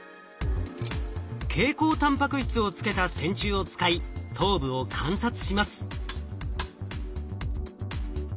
蛍光タンパク質を付けた線虫を使い頭部を観察します。